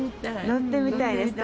乗ってみたいです。